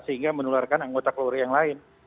sehingga menularkan anggota keluarga yang lain